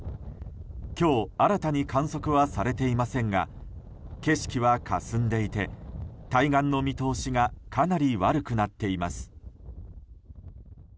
今日、新たに観測はされていませんが景色はかすんでいて対岸の見通しがかなり悪くなっています。